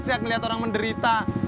jak ngeliat orang menderita